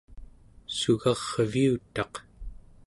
sugarviutaq